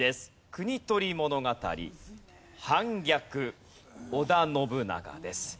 『国盗り物語』『反逆』『織田信長』です。